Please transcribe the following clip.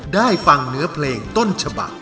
ได้ฟังเนื้อเพลงต้นฉบัก